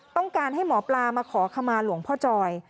ต้องการให้หมอปลามาขอขมาหลวงพ่อจอย